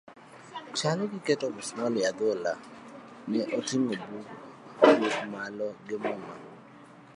Chalo gi keto omusmual maliet e adhola, ne oting'o buk malo gi muma.